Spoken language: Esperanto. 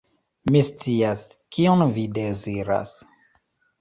Mi scias, kion vi deziras.